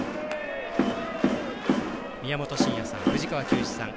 宮本慎也さん、藤川球児さん